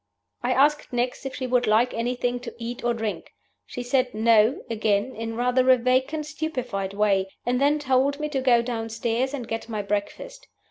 I asked next if she would like anything to eat or drink. She said 'No' again, in rather a vacant, stupefied way, and then told me to go downstairs and get my breakfast.